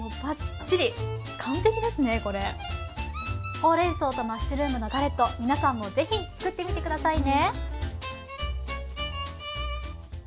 ほうれん草とマッシュルームのガレット皆さんもぜひ作ってみてくださいね。